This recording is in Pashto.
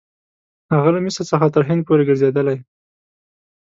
هغه له مصر څخه تر هند پورې ګرځېدلی.